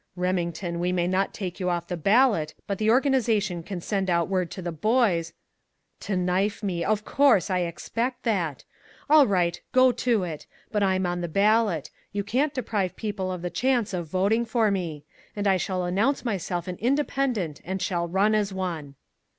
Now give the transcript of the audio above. Remington, we may not take you off the ballot, but the organization kin send out word to the boys " "To knife me! Of course, I expect that! All right go to it! But I'm on the ballot you can't deprive people of the chance of voting for me. And I shall announce myself an independent and shall run as one!"